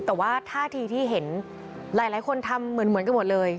แต่ว่าท่าทีที่เห็นหลายคนทำเหมือนกันหมดเลย